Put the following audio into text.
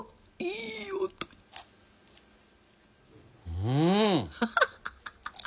うん！